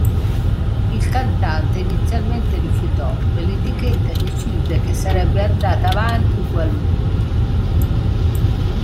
Il cantante inizialmente rifiutò e l'etichetta decise che sarebbe andata avanti ugualmente.